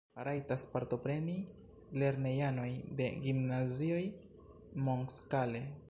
Rajtas partopreni lernejanoj de gimnazioj mondskale.